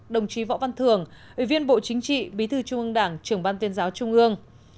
đồng chí võ văn thường ủy viên bộ chính trị bí thư trung ương đảng trưởng ban tuyên giáo trung ương